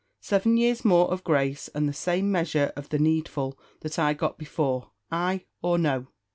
"Seven years more of grace, and the same measure of the needful that I got before. Ay or no?"